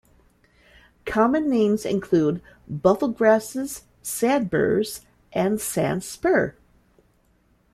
Common names include buffelgrasses, sandburs, and sand spur.